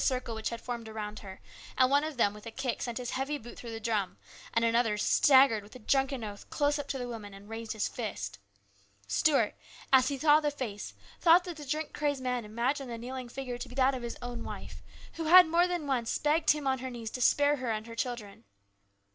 93 circle which had been formed around her, and one of them with a kick sent his heavy boot through the drum, and another staggered with a drunken oath close up to the woman and raised his fist. Stuart, as he saw the face, thought that the drink crazed man imagined the kneeling figure to be that of his own wife, who had more than once begged him on her knees to spare her and her children.